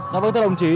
cảm ơn thưa đồng chí